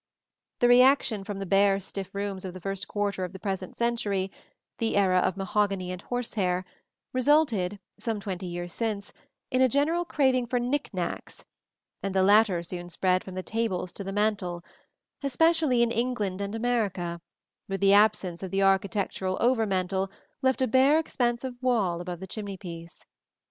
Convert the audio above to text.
The reaction from the bare stiff rooms of the first quarter of the present century the era of mahogany and horsehair resulted, some twenty years since, in a general craving for knick knacks; and the latter soon spread from the tables to the mantel, especially in England and America, where the absence of the architectural over mantel left a bare expanse of wall above the chimney piece.